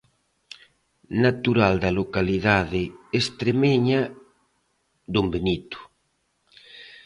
Natural da localidade estremeña Don Benito.